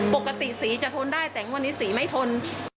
ปกติสีจะทนได้แต่งวดนี้สีไม่ทน